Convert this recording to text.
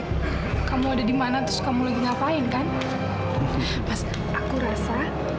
terima kasih terima kasih